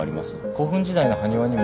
古墳時代の埴輪にも。